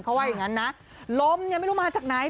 เขาว่าอย่างนั้นนะลมเนี่ยไม่รู้มาจากไหน